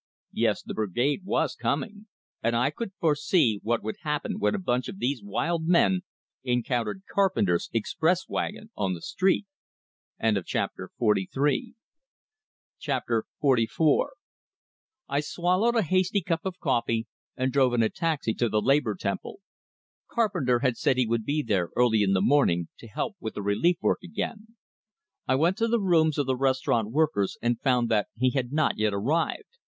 Yes, the Brigade was coming; and I could foresee what would happen when a bunch of these wild men encountered Carpenter's express wagon on the street! XLIV I swallowed a hasty cup of coffee, and drove in a taxi to the Labor Temple. Carpenter had said he would be there early in the morning, to help with the relief work again. I went to the rooms of the Restaurant Workers, and found that he had not yet arrived.